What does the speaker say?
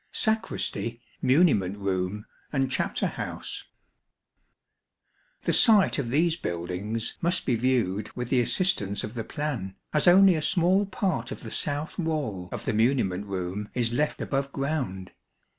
Sacristy, Muniment Room and Chapter house. The site of these buildings must be viewed with the assistance of the plan, as only a small part of the south wall of the muniment room is left above ground.